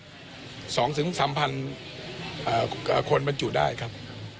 สองถึงสามพันอ่าคนบรรจุได้ครับ